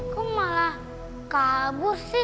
kok malah kabur sih